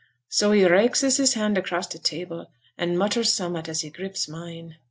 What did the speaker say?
So he raxes his hand across t' table, an' mutters summat, as he grips mine.